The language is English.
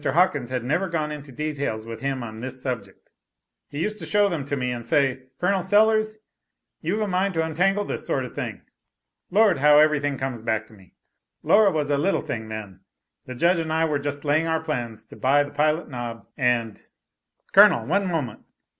Hawkins had never gone into details with him on this subject.] He used to show them to me, and say, 'Col, Sellers you've a mind to untangle this sort of thing.' Lord, how everything comes back to me. Laura was a little thing then. 'The Judge and I were just laying our plans to buy the Pilot Knob, and " "Colonel, one moment.